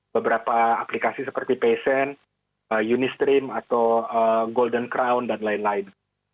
beberapa aplikasi seperti passion unistream atau golden crown dan lain lain